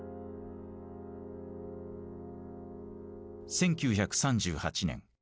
１９３８年。